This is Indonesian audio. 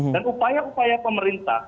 dan upaya upaya pemerintah